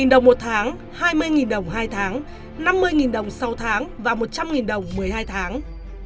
một đồng một tháng hai mươi đồng hai tháng năm mươi đồng sáu tháng và một trăm linh đồng một mươi hai tháng